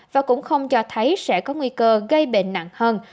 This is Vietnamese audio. và cũng không cho thấy sẽ có nguy cơ gây bệnh nặng hơn